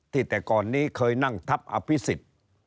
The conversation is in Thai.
แต่ก่อนนี้เคยนั่งทับอภิษฎ